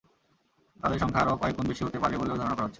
তাঁদের সংখ্যা আরও কয়েক গুণ বেশি হতে পারে বলেও ধারণা করা হচ্ছে।